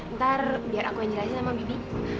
ntar biar aku yang jelasin sama bibi